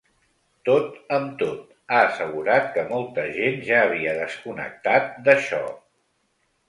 Tot amb tot, ha assegurat que ‘molta gent ja havia desconnectat d’això’.